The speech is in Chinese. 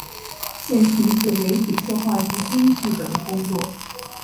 现从事媒体策划及编辑等工作。